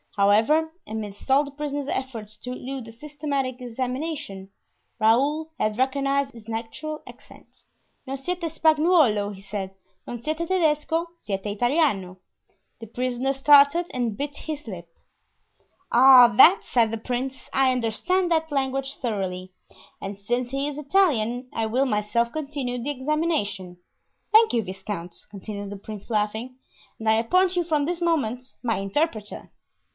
However, amidst all the prisoner's efforts to elude a systematic examination, Raoul had recognized his natural accent. "Non siete Spagnuolo," he said; "non siete Tedesco; siete Italiano." The prisoner started and bit his lips. "Ah, that," said the prince, "I understand that language thoroughly; and since he is Italian I will myself continue the examination. Thank you, viscount," continued the prince, laughing, "and I appoint you from this moment my interpreter."